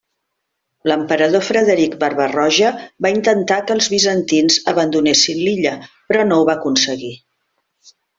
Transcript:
L'emperador Frederic Barba-roja va intentar que els bizantins abandonessin l'illa però no ho va aconseguir.